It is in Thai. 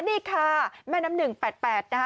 นี่ค่ะแม่น้ำ๑๘๘นะคะ